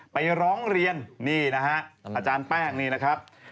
ไปร้องเรียนนี่นะฮะอาจารย์แป้งนี่นะครับ